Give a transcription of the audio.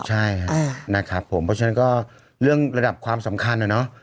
ใช่ครับนะครับผมเพราะฉะนั้นก็เรื่องระดับความสำคัญนะเนาะ